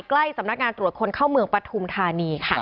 ใกล้สำนักงานตรวจคนเข้าเมืองปฐุมธานีค่ะ